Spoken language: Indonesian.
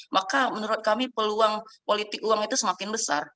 maka menurut kami peluang politik uang itu semakin besar